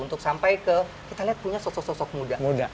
untuk sampai ke kita lihat punya sosok sosok muda